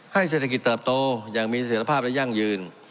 เศรษฐกิจเติบโตอย่างมีเสร็จภาพและยั่งยืน